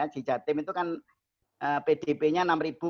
di jatim itu kan pdp nya enam empat ratus